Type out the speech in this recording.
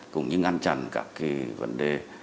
cũng như ngăn chặn các cái vấn đề